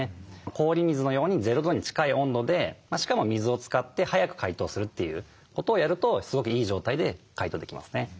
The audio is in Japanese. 氷水のように０度に近い温度でしかも水を使って速く解凍するということをやるとすごくいい状態で解凍できますね。